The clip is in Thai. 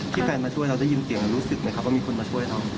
ที่แฟนมาช่วยเราจะยินเสียงรู้สึกไหมครับว่ามีคนมาช่วยเรา